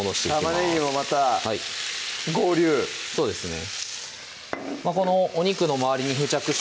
玉ねぎもまた合流そうですね